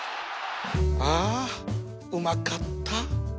あうまかった